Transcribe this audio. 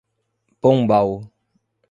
Pombal